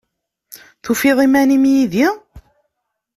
Tufiḍ iman-im yid-i?